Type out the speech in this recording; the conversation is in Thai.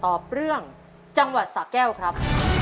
ตอบเรื่องจังหวัดสะแก้วครับ